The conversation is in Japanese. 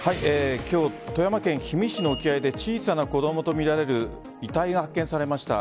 今日、富山県氷見市の沖合で小さな子供とみられる遺体が発見されました。